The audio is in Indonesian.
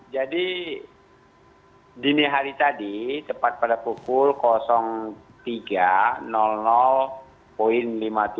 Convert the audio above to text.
jadi dini hari tadi tepat pada pukul tiga